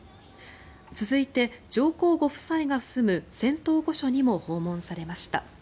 続いて上皇ご夫妻が住む仙洞御所にも訪問されました。